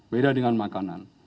beda dengan makanan